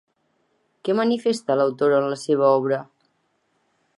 Què manifesta l'autor en la seva obra?